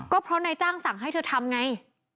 ก็เพราะนายจ้างสั่งให้เธอทำไง